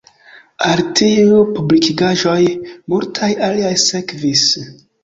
Al tiuj publikigaĵoj multaj aliaj sekvis.